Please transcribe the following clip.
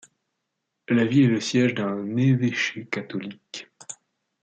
La ville est le siège d'un évêché catholique.